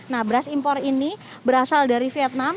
nah beras impor ini berasal dari vietnam